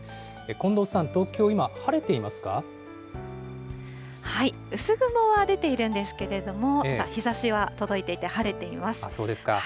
近藤さん、東京、今、晴れていま薄雲は出ているんですけれども、日ざしは届いていて晴れています。